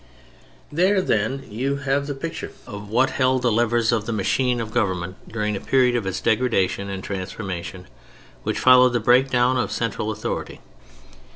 There, then, you have the picture of what held the levers of the machine of government during the period of its degradation and transformation, which followed the breakdown of central authority.